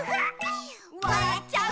「わらっちゃう」